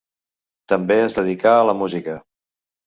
També es dedicà a la música.